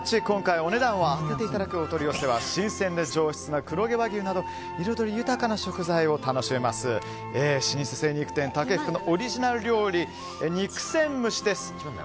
今回、お値段を当てていただくお取り寄せは新鮮で上質な黒毛和牛など彩り豊かな食材を楽しめます老舗精肉店、竹福のオリジナル料理、肉鮮蒸しです。